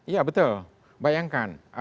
ya betul bayangkan